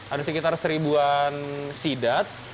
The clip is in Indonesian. ada sekitar seribu an sidap